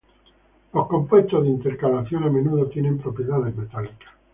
Los compuestos de intercalación a menudo tienen propiedades metálicas.